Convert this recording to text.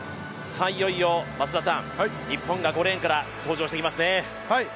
いよいよ日本が５レーンから登場してきますね。